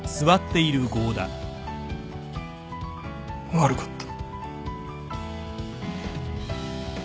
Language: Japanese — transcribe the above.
悪かった。